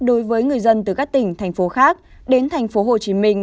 đối với người dân từ các tỉnh thành phố khác đến thành phố hồ chí minh